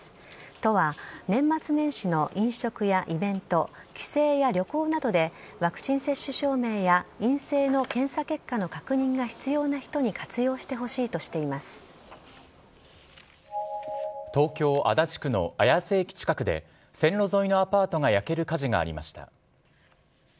都は年末年始の飲食やイベント帰省や旅行などでワクチン接種証明や陰性の検査結果の確認が必要な人に東京・足立区の綾瀬駅近くで線路沿いのアパートが焼ける火事がありました。